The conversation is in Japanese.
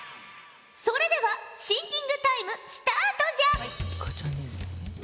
それではシンキングタイムスタートじゃ！